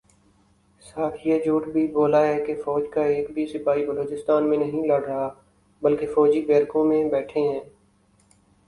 ساتھ یہ جھوٹ بھی بولا ہے کہ فوج کا ایک بھی سپاہی بلوچستان میں نہیں لڑ رہا بلکہ فوجی بیرکوں میں بیٹھے ہیں